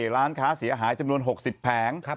ร้านค้าเสียหายจำนวน๖๐แผง